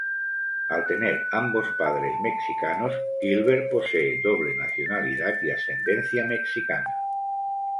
Al tener ambos padres Mexicanos, Gilbert posee doble nacionalidad, y ascendencia mexicana.